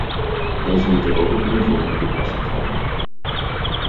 Deze moeten ook op invoer van toepassing zijn.